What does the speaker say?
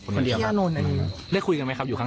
น่ะครับเขายังคุยกันปกติอยู่ครับ